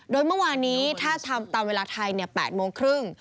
โดยเมื่อวานนี้ถ้าทำตามเวลาไทย๘โมงครึ่ง